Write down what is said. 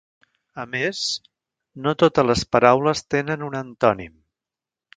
A més, no totes les paraules tenen un antònim.